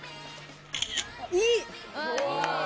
いい！